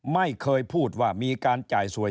ไม่เคยพูดว่ามีการจ่ายสวย